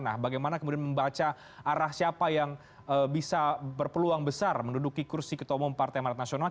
nah bagaimana kemudian membaca arah siapa yang bisa berpeluang besar menduduki kursi ketua umum partai manat nasional